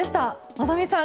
雅美さん